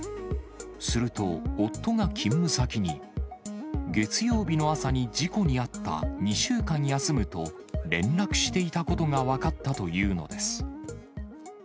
すると、夫が勤務先に、月曜日の朝に事故に遭った、２週間休むと連絡していたことが分かったというのです。